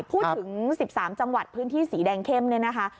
พูดถึง๑๓จังหวัดพื้นที่สีแดงเข้มเนี่ยนะคะ